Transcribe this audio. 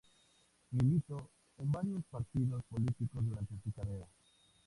Militó en varios partidos políticos durante su carrera.